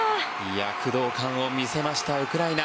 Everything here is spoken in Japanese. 躍動感を見せましたウクライナ。